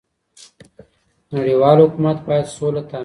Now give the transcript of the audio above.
نړيوال حکومت بايد سوله تامين کړي.